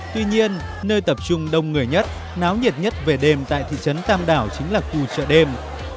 tuy nhiên nơi tập trung đông người nhất náo nhiệt nhất về đêm tại thị trấn tam đảo chính là khu chợ đêm